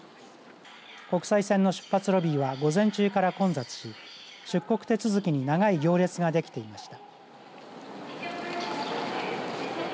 国際線の出発ロビーは午前中から混雑し出国手続きに長い行列ができていました。